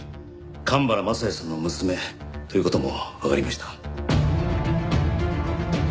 神原雅也さんの娘という事もわかりました。